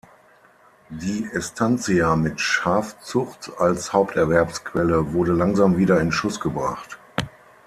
Die Estancia mit Schafzucht als Haupterwerbsquelle wurde langsam wieder in Schuss gebracht.